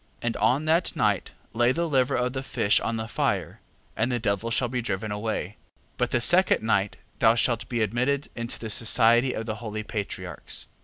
And on that night lay the liver of the fish on the fire, and the devil shall be driven away. 6:20. But the second night thou shalt be admitted into the society of the holy Patriarchs. 6:21.